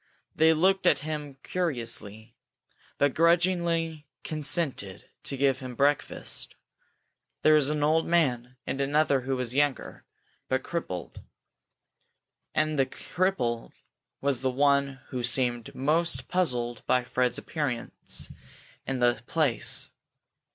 They looked at him curiously, but grudgingly consented to give him breakfast. There was an old man, and another who was younger, but crippled. And this cripple was the one who seemed most puzzled by Fred's appearance in the place.